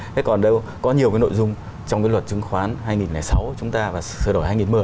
thế còn đâu có nhiều cái nội dung trong cái luật chứng khoán hai nghìn sáu chúng ta và sửa đổi hai nghìn một mươi